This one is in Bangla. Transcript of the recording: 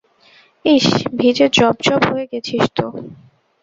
ইস্, ভিজে জবজবে হয়ে গেছিস তো।